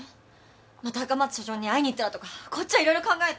また赤松社長に会いにいったらとかこっちはいろいろ考えて。